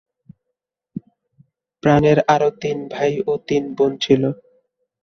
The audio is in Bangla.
প্রাণের আরও তিন ভাই ও তিন বোন ছিল।